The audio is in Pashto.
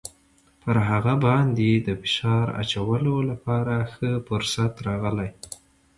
پر هغه باندې د فشار اچولو لپاره ښه فرصت راغلی.